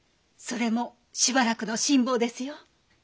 それもしばらくの辛抱ですよ。